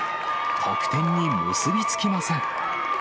得点に結び付きません。